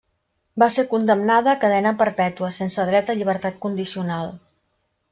Va ser condemnada a cadena perpètua sense dret a llibertat condicional.